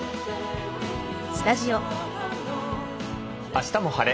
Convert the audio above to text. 「あしたも晴れ！